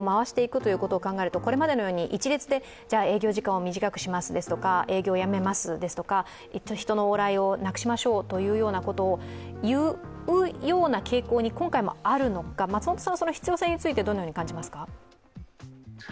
オミクロン株に関しては、経済を回していくということを考えると、これまでのように一律で営業時間を短くしますですとか、営業をやめますですとか、人の往来をなくしましょうということを言うような傾向に今回もあるのか、その必要性についてどのように考えますか？